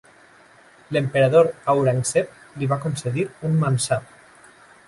L'emperador Aurangzeb li va concedir un Mansab.